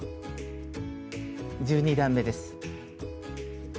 １２段めです。